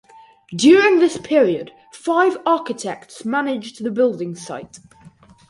During this period, five architects managed the building site.